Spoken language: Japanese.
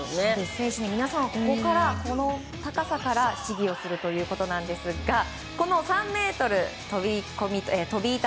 選手の皆さんはこの高さから試技をするということなんですがこの３ｍ飛板